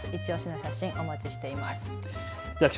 いちオシの写真お待ちしています。